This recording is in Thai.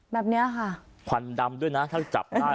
แบบนี้ค่ะควันดำด้วยนะถ้าจับได้